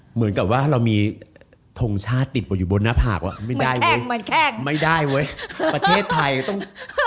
เหมือนกับว่าเรามีทงชาติติดอยู่บนหน้าผากว่าไม่ได้เว้ยไม่ได้เว้ยประเทศไทยต้อง